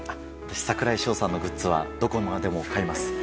櫻井翔さんのグッズはどこまでも買います。